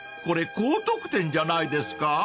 ［これ高得点じゃないですか？］